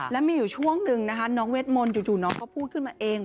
แล้วมีอยู่ช่วงหนึ่งนะคะน้องเวทมนต์จู่น้องก็พูดขึ้นมาเอง